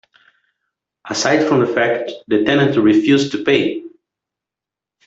Aside from the fact, the tenant refused to pay.